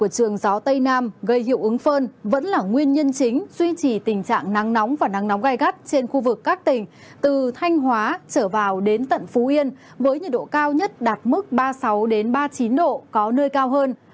từ thanh hóa trở vào đến tận phú yên với nhiệt độ cao nhất đạt mức ba mươi sáu ba mươi chín độ có nơi cao hơn